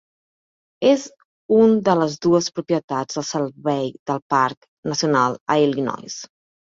És un de les dues propietats del Servei del Parc Nacional a Illinois.